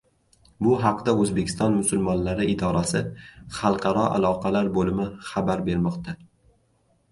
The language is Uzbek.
Bu haqda O‘zbekiston musulmonlari idorasi Xalqaro aloqalar bo‘limi xabar bermoqda